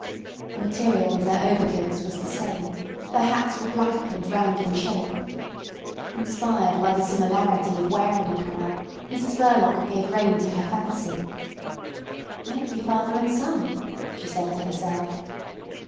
The material of their overcoats was the same, their hats were black and round in shape. Inspired by the similarity of wearing apparel, Mrs Verloc gave rein to her fancy. "Might be father and son," she said to herself.